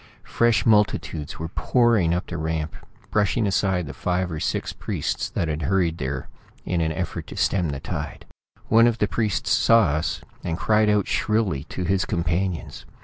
Fresh multitudes were pouring up the ramp, brushing aside the five or six priests that had hurried there in an effort to stem the tide. One of the priests saw us, and cried out shrilly to his companions.